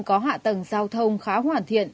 có hạ tầng giao thông khá hoàn thiện